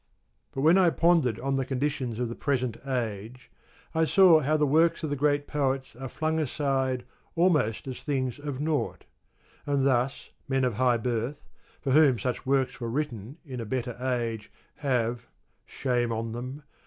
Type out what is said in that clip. But when I pondered on the conditions of the present age, I saw how the works of the great poets are flung aside almost as things of naught; and thus men of high birth, for whom such works were written in a better age have (shame on them